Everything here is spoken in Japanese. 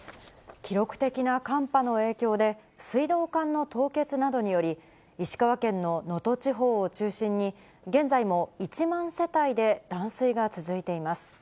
記録的な寒波の影響で、水道管の凍結などにより、石川県の能登地方を中心に現在も１万世帯で断水が続いています。